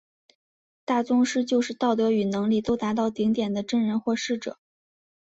大宗师就是道德与能力都达到顶点的真人或师者。